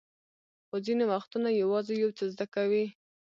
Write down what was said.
خو ځینې وختونه یوازې یو څه زده کوئ.